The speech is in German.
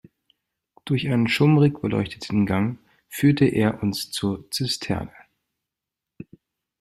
Durch einen schummrig beleuchteten Gang führte er uns zur Zisterne.